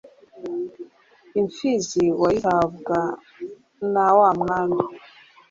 Imfizi wayihabwa na wa Mwami